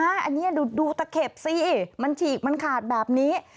อันนี้ดูตะเข็บสิมันฉีกมันขาดแบบนี้